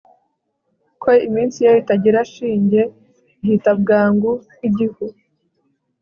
ko iminsi ye itagira shinge ihita bwangu nk'igihu